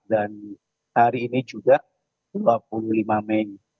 dan hari ini juga dua puluh lima mei